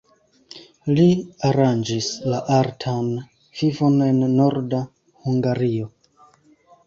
Li aranĝis la artan vivon en Norda Hungario.